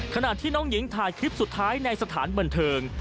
ขณะที่น้องหญิงถ่ายคลิปสุดท้ายในสถานบันเทิง